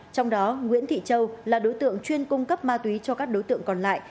trong đó nguyễn thị châu là đối tượng chuyên cung cấp ma túy cho các đối tượng còn lại